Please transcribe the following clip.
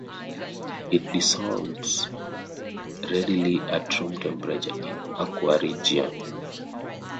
It dissolves readily at room temperature in aqua regia.